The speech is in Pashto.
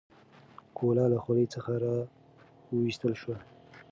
ګوله له خولې څخه راویستل شوه.